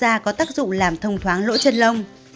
mụn ở mũi có tác dụng làm thông thoáng lỗ chân lông